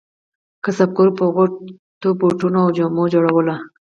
کسبګرو به هغو ته بوټونه او جامې جوړولې.